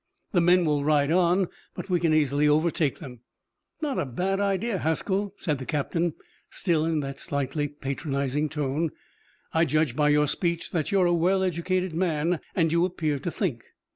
The men will ride on, but we can easily overtake them." "Not a bad idea, Haskell," said the captain, still in that slightly patronizing tone. "I judge by your speech that you're a well educated man, and you appear to think."